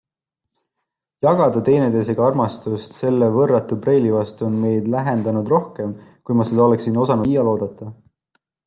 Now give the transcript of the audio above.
Jagada teineteisega armastust selle võrratu preili vastu on meid lähendanud rohkem, kui ma seda oleksin osanud iial oodata.